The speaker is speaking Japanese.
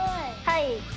はい。